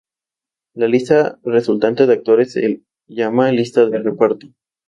La lista resultante de actores se llama lista de reparto.